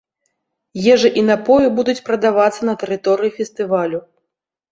Ежа і напоі будуць прадавацца на тэрыторыі фестывалю.